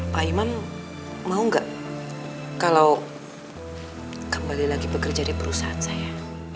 pak iman mau nggak kalau kembali lagi bekerja di perusahaan saya